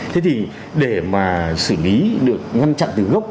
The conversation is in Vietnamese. thế thì để mà xử lý được ngăn chặn từ gốc